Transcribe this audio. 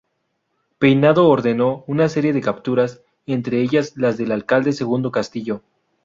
Peinado ordenó una serie de capturas, entre ellas la del alcalde segundo Castillo.